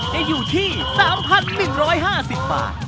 จะอยู่ที่๓๑๕๐บาท